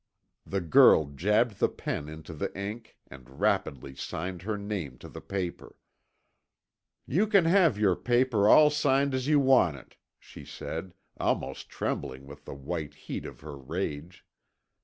The girl jabbed the pen into the ink and rapidly signed her name to the paper. "You can have your paper all signed as you want it," she said, almost trembling with the white heat of her rage.